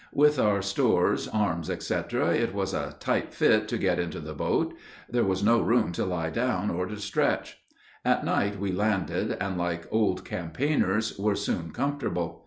With our stores, arms, etc., it was a tight fit to get into the boat; there was no room to lie down or to stretch. At night we landed, and, like old campaigners, were soon comfortable.